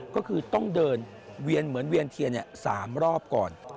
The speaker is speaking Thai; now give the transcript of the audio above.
ก็คือต้องเดินเวียนเหมือนเวียนเทียน๓รอบก่อน